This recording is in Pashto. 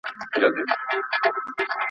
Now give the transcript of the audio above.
زه هره ورځ ليک لولم!